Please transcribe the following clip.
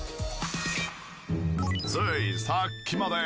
ついさっきまで。